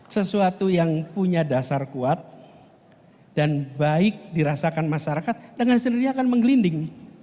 sesuatu yang punya dasar kuat dan baik dirasakan masyarakat dengan sendirinya akan menggelinding